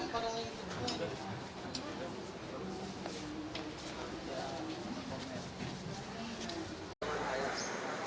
oke masih manggil sih